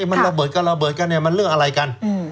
มันระเบิดกันระเบิดกันเนี่ยมันเรื่องอะไรกัน